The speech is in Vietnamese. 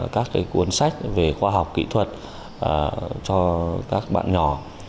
các cuốn sách về khoa học kỹ thuật cho các bạn nhỏ